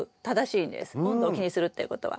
温度を気にするっていうことは。